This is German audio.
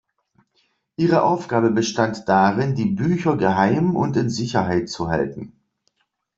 Ihre Aufgabe bestand darin, die Bücher geheim und in Sicherheit zu halten.